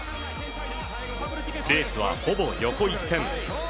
レースは、ほぼ横一線。